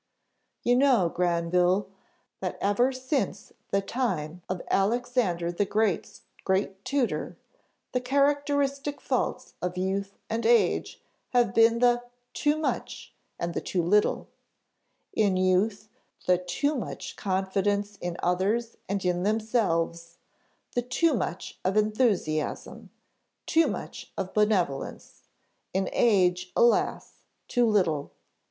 You know, Granville, that ever since the time of Alexander the Great's great tutor, the characteristic faults of youth and age have been the 'too much' and the 'too little.' In youth, the too much confidence in others and in themselves, the too much of enthusiasm too much of benevolence; in age, alas! too little.